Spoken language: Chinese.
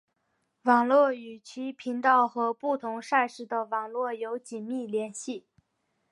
网站与其频道和不同赛事的网络有紧密联系。